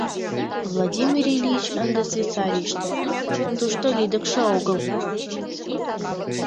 Владимир Ильич ынде Швейцарийыште, тушто лӱдыкшӧ огыл.